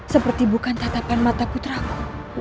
seperti bukan tatapan mata putraku